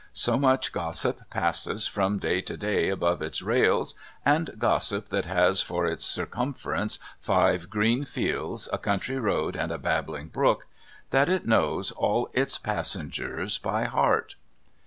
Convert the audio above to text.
So much gossip passes from day to day above its rails (and gossip that has for its circumference five green fields, a country road, and a babbling brook), that it knows all its passengers by heart.